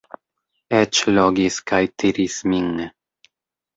Eĉ logis kaj tiris min.